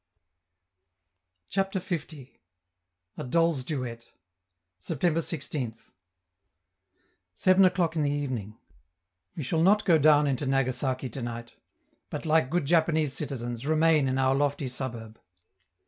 CHAPTER L. A DOLLS' DUET September 16th. Seven o'clock in the evening. We shall not go down into Nagasaki tonight; but, like good Japanese citizens, remain in our lofty suburb.